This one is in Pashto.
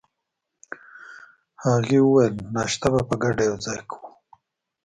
هغې وویل: ناشته به په ګډه یوځای کوو.